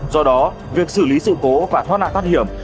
do đó việc xử lý sự cố và thoát nạn thoát hiểm